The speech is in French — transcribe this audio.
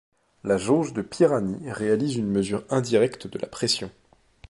La jauge de Pirani réalise une mesure indirecte de la pression.